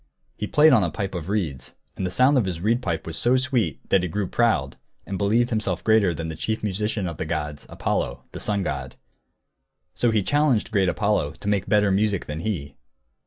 He played on a pipe of reeds. And the sound of his reed pipe was so sweet that he grew proud, and believed himself greater than the chief musician of the gods, Apollo, the sun god. So he challenged great Apollo to make better music than he.